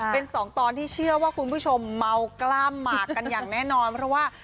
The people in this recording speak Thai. เป็นสองตอนที่เชื่อว่าคุณผู้ชมเมากล้ามหมากกันอย่างแน่นอนเพราะว่า